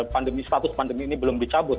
pandemi status pandemi ini belum dicabut